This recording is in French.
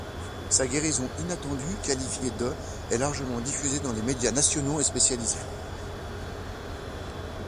Sa guérison inattendue qualifiée de est largement diffusée dans les médias nationaux et spécialisés.